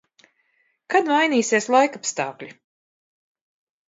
Kad mainīsies laikapstākļi?